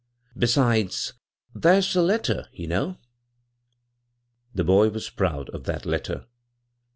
Besides, thar's the letter, ye know." The boy was proud of that " letter."